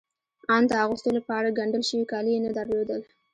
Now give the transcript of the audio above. آن د اغوستو لپاره ګنډل شوي کالي يې نه درلودل.